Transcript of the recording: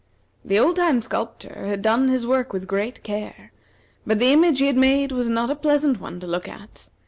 The old time sculptor had done his work with great care, but the image he had made was not a pleasant one to look at.